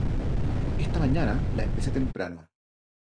Esta mañana la empecé temprano